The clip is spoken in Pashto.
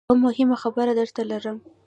یوه مهمه خبره درته لرم .